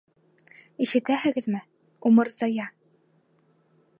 Ишетәһегеҙме, Умырзая!